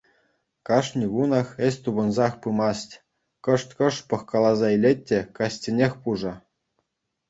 Кашни кунах ĕç тупӑнсах пымасть, кӑшт-кӑшт пӑхкаласа илет те каҫченех пушӑ.